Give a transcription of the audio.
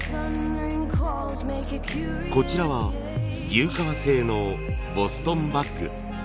こちらは牛革製のボストンバッグ。